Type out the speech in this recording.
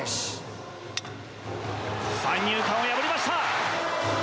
三遊間を破りました！